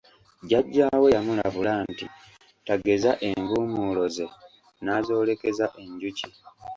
Jajja we yamulabula nti tageza envumuulo ze n’azoolekeza enjuki.